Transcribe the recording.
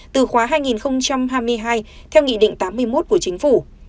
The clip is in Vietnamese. từ khóa hai nghìn hai mươi hai theo nghị định tám mươi một của chính phủ